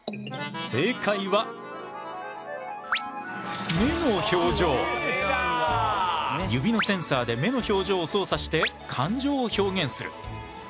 正解は指のセンサーで目の表情を操作して感情を表現する。